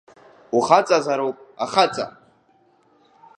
Ухаҵазароуп ахаҵа.